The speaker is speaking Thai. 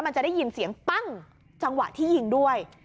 มันจะได้ยินเสียงปั้งจังหวะที่ยิงด้วย